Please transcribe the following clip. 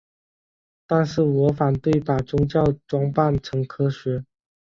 但是我反对把宗教装扮成科学。